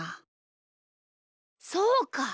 そうか！